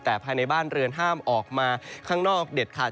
แต่ภายในบ้านเรือนห้ามออกมาข้างนอกเด็ดขาด